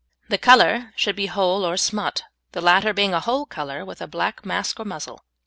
The colour should be whole or smut, the latter being a whole colour with a black mask or muzzle.